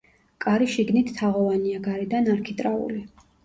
კარი შიგნით თაღოვანია, გარედან არქიტრავული.